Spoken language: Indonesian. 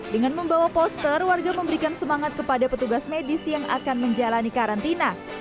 dengan membawa poster warga memberikan semangat kepada petugas medis yang akan menjalani karantina